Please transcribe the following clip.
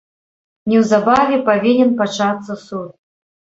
Неўзабаве павінен пачацца суд.